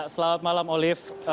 selamat malam olive